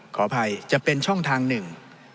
ขออภัยจะเป็นช่องทางหนึ่ง